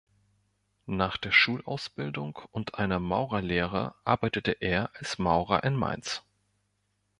Nach der Schulausbildung und einer Maurerlehre arbeitete er als Maurer in Mainz.